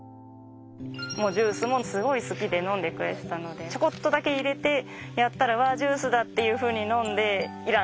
もうジュースもすごい好きで飲んでくれてたのでちょこっとだけ入れてやったら「わあジュースだ！」っていうふうに飲んで要らん。